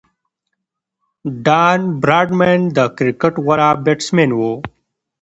ډان براډمن د کرکټ غوره بیټسمېن وو.